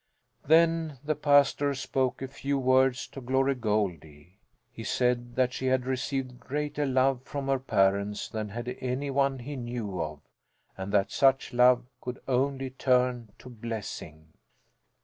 Then the pastor spoke a few words to Glory Goldie. He said that she had received greater love from her parents than had any one he knew of, and that such love could only turn to blessing.